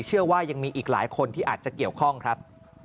เชื่อว่ายังมีอีกหลายคนที่อาจจะเกี่ยวข้องครับ